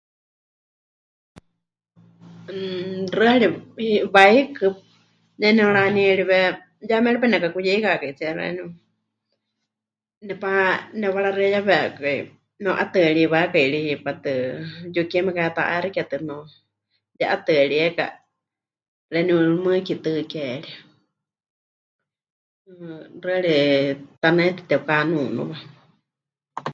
Mmm xɨari, 'e, waikɨ, ne nepɨranieriwe ya méripai nemɨkakuyeikakaitsíe xeeníu, nepa... nepɨwaraxeiyawekai mepɨ'atɨaríwakai ri hipátɨ, yukie mekaheta'axiketɨ me... mɨye'atɨaríeka xeeníu mɨɨkítɨ ke ri. Mmm, xɨari tanaitɨ tepɨkahanunuwa.